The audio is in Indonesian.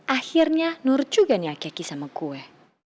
akhirnya nur juga nyakyaki sama gue